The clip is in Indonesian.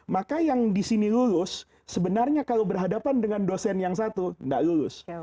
maka yang di sini lulus sebenarnya kalau berhadapan dengan dosen yang satu nggak lulus